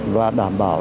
và đảm bảo